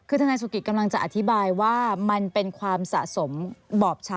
คือทนายสุกิตกำลังจะอธิบายว่ามันเป็นความสะสมบอบช้